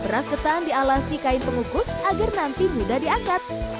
beras ketan dialasi kain pengukus agar nanti mudah diangkat